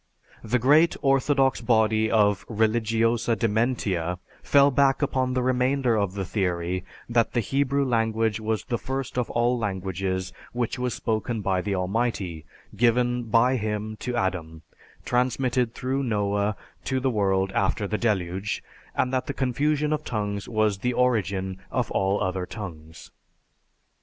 The great orthodox body of "religiosa dementia" fell back upon the remainder of the theory that the Hebrew language was the first of all languages which was spoken by the Almighty, given by Him to Adam, transmitted through Noah to the world after the deluge, and that the confusion of tongues was the origin of all other tongues.